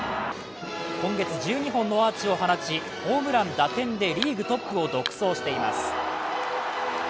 今月１２本のア−チを放ちホームラン、打点でリーグトップを独走しています。